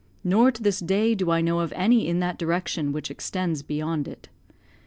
Nor to this day do I know of any in that direction which extends beyond it.